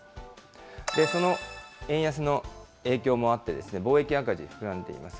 その円安の影響もあって、貿易赤字、膨らんでいます。